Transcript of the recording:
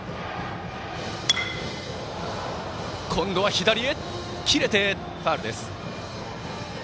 左へ切れてファウルです。